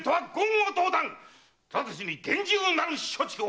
ただちに厳重なる処置を！